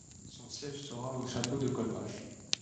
Son siège sera au château de Colpach.